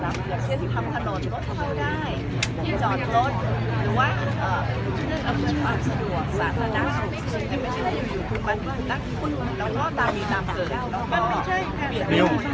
อันนี้มันมีเหตุนะมันมีเหตุพระภูมิว่ามันมีเหตุมันมีเหตุของพลโทษธโมท์และเลย